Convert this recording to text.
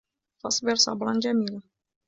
فَاصبِر صَبرًا جَميلًا